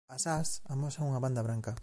As ás amosan unha banda branca.